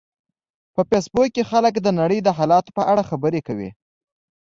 په فېسبوک کې خلک د نړۍ د حالاتو په اړه خبرې کوي